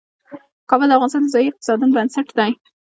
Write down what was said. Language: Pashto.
کابل د افغانستان د ځایي اقتصادونو بنسټ دی.